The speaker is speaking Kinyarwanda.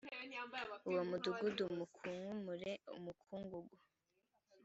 uwo mudugudu mukunkumure umukungugu